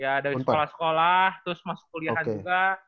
ya dari sekolah sekolah terus masuk kuliahan juga